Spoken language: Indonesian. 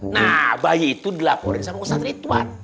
nah bayi itu dilaporin sama ustaz ritwan